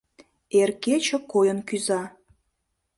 Эр кече койын кӱза.